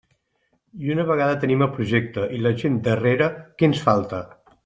I una vegada tenim el projecte i la gent darrere, ¿què ens falta?